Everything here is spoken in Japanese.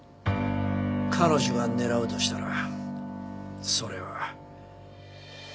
彼女が狙うとしたらそれは。